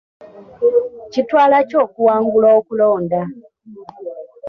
Kitwala ki okuwangula okulonda?